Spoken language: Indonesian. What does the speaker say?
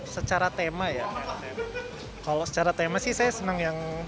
secara tema ya kalau secara tema sih saya senang yang